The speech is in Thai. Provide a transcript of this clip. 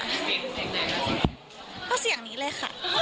ก็เสียงนี้เลยค่ะ